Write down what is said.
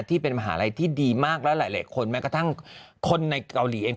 ที่เป็นมหาลัยที่ดีมากและหลายคนแม้กระทั่งคนในเกาหลีเอง